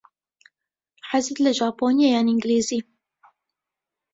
حەزت لە ژاپۆنییە یان ئینگلیزی؟